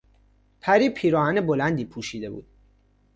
پری پیراهن بلندی پوشیده بود.